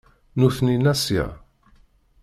Nutni n Asya.